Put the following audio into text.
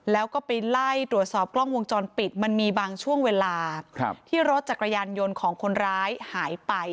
แล้วก็ไปไล่ตรวจสอบกล้องวงจรปิดมันมีบางช่วงเวลาที่รถจักรยานยนต์ของคนร้ายหายไป